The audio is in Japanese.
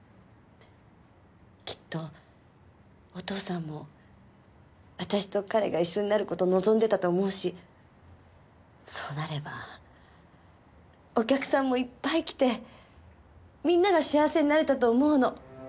きっとお父さんも私と彼が一緒になる事望んでたと思うしそうなればお客さんもいっぱい来てみんなが幸せになれたと思うの。